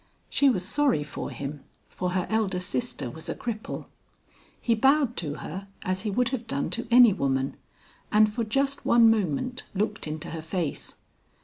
She was sorry for him, for her elder sister was a cripple. He bowed to her, as he would have done to any woman, and for just one moment looked into her face.